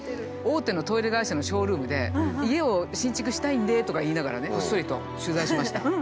大手のトイレ会社のショールームで「家を新築したいんで」とか言いながらねこっそりと取材しました。